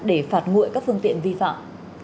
để phạt nguội các phương tiện vi phạm